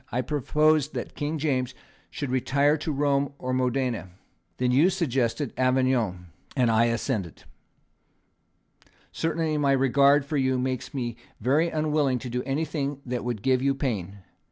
I proposed that King James should retire to Rome or Modena. Then you suggested Avignon; and I assented. Certainly my regard for you makes me very unwilling to do anything that would give you pain.